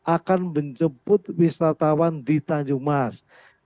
akan menjemput wisatawan di tanjung mas